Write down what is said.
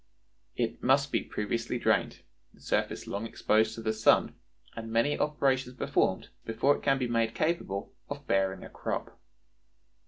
It must be previously drained, the surface long exposed to the sun, and many operations performed, before it can be made capable of bearing a crop.